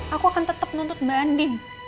aku akan tetep nuntut banding